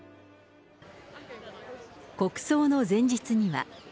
国葬の前日には。